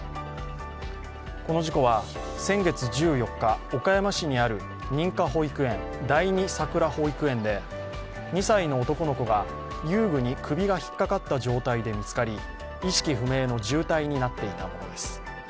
この事故は先月１４日岡山市にある認可保育園第二さくら保育園で、２歳の男の子が遊具に首が引っかかった状態で見つかり意識不明の重体になっていたものです。